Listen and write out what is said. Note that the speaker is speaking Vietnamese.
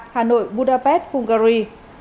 ba hà nội budapest hungary